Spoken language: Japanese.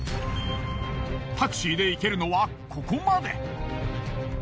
タクシーで行けるのはここまで。